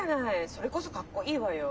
それこそかっこいいわよ。